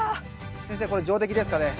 先生これ上出来ですかね。